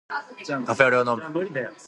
カフェオレを飲む